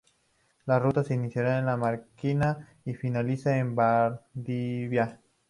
La Ruta se inicia en Mariquina y finaliza en Valdivia.